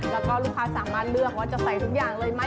แล้วก็ลูกค้าสามารถเลือกว่าจะใส่ทุกอย่างเลยไหม